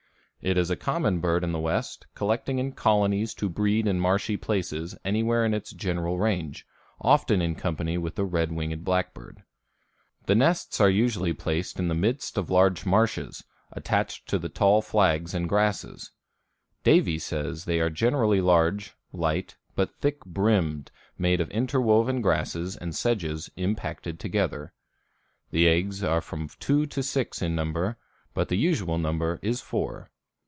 It is a common bird in the West, collecting in colonies to breed in marshy places anywhere in its general range, often in company with the red winged blackbird. The nests are usually placed in the midst of large marshes, attached to the tall flags and grasses. Davie says they are generally large, light, but thick brimmed, made of interwoven grasses and sedges impacted together. The eggs are from two to six in number, but the usual number is four.